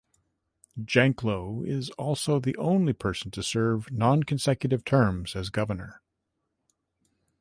Janklow is also the only person to serve non-consecutive terms as governor.